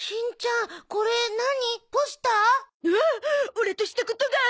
オラとしたことが！